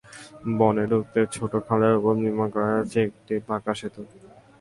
বনে ঢুকতে ছোট্ট খালের ওপর নির্মাণ করা হয়েছে একটি পাকা সেতু।